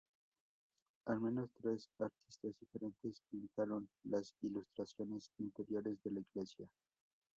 Al menos tres artistas diferentes pintaron las ilustraciones interiores de la iglesia.